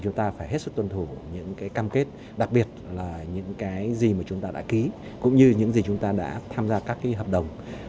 chúng ta phải hết sức tuân thủ những cái cam kết đặc biệt là những cái gì mà chúng ta đã ký cũng như những gì chúng ta đã tham gia các cái hợp đồng